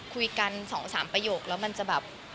คุยกัน๒๓ประโยคแล้วมันจะแบบ